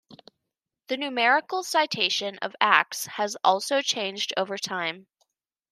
The numerical citation of Acts has also changed over time.